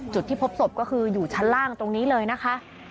จุดที่พบศพก็คืออยู่ชั้นล่างตรงนี้เลยนะคะ